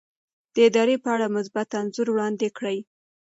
د ادارې په اړه مثبت انځور وړاندې کړئ.